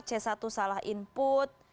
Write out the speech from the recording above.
c satu salah input